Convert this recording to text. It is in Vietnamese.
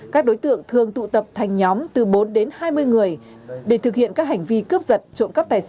các đối tượng thường tụ tập thành nhóm từ bốn đến hai mươi người để thực hiện các hành vi cướp giật trộm cắp tài sản